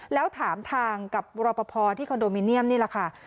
แล้วถามทางกับรอปภที่คอนโดมิเนียมนี่แหละค่ะ